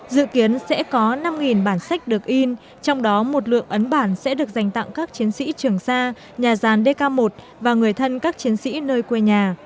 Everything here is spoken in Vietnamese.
dự kiến sẽ có năm bản sách được in trong đó một lượng ấn bản sẽ được dành tặng các chiến sĩ trường xa nhà gian dk một và người thân các chiến sĩ nơi quê nhà